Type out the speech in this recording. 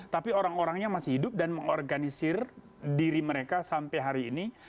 tapi orang orangnya masih hidup dan mengorganisir diri mereka sampai hari ini